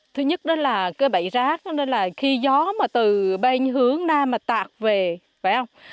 thứ nhất đó là cái bẫy rác khi gió từ bên hướng nam tạc về phải không